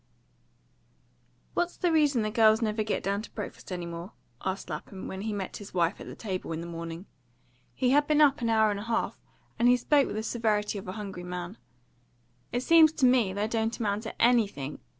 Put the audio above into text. "WHAT's the reason the girls never get down to breakfast any more?" asked Lapham, when he met his wife at the table in the morning. He had been up an hour and a half, and he spoke with the severity of a hungry man. "It seems to me they don't amount to ANYthing.